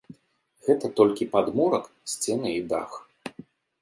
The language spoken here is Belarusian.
Гэта толькі падмурак, сцены і дах.